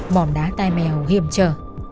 bỏm đá tai mèo hiểm trở